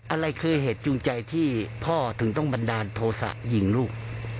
อะไรคือเหตุจูงใจที่พ่อถึงต้องบันดาลโทษะยิงลูก